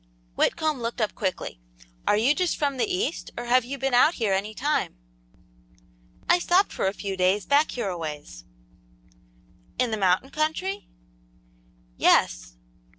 Whitcomb looked up quickly. "Are you just from the East, or have you been out here any time?" "I stopped for a few days, back here a ways." "In the mountain country?" "Yes."